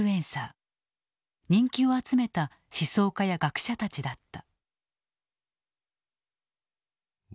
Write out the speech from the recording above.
人気を集めた思想家や学者たちだった。